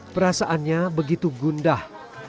perasaannya begitu gundah